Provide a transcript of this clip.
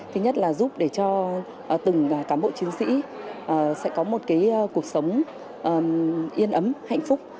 thứ nhất là giúp để cho từng cán bộ chiến sĩ sẽ có một cuộc sống yên ấm hạnh phúc